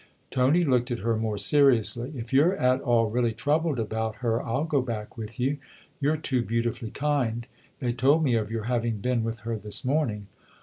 Tony looked at her more seriously. "If you're at all really troubled about her I'll go back with you. You're too beautifully kind ; they told me of your having been with her this morning."